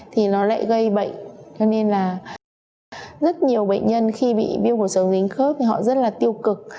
thì nó lại gây bệnh cho nên là rất nhiều bệnh nhân khi bị viêm cuộc sống dính khớp họ rất là tiêu cực